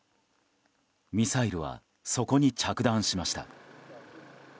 ミサイルはそこに着弾しました。